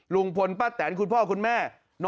ลุงพลป้าแตนคุณพ่อคุณแม่